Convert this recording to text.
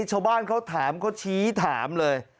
ชาวบ้านเขาถามเขาชี้ถามเลย